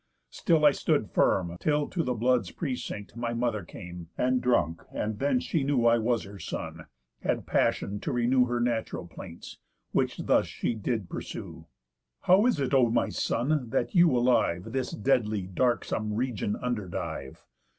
Still I stood firm, till to the blood's precinct My mother came, and drunk; and then she knew I was her son, had passion to renew Her natural plaints, which thus she did pursue: 'How is it, O my son, that you alive This deadly darksome region underdive?